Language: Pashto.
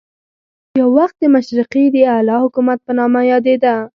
یو وخت د مشرقي د اعلی حکومت په نامه یادېده.